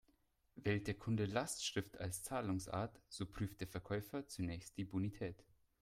Wählt der Kunde Lastschrift als Zahlungsart, so prüft der Verkäufer zunächst die Bonität.